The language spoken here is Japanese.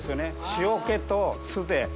塩気と酢で。